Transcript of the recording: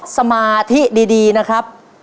สมาธิดีนะครับ